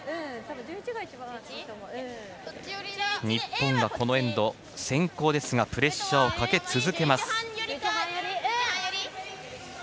日本はこのエンド、先攻ですがプレッシャーをかけ続けます。